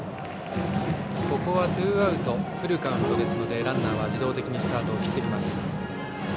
ここはツーアウトフルカウントですのでランナーは自動的にスタートを切ってきます。